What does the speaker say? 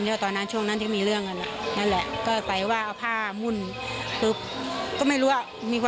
เท่าตอนนั้นช่วงนั้นที่มีเรื่องกันอะนั่นแหละ